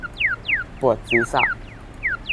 ปวดศีรษะ